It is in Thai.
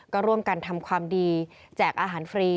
ก็ร่วมกันทำความดีแจกอาหารฟรี